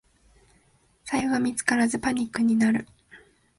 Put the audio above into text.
財布が見つからずパニックになる